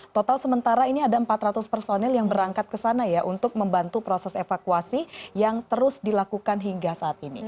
total sementara ini ada empat ratus personil yang berangkat ke sana ya untuk membantu proses evakuasi yang terus dilakukan hingga saat ini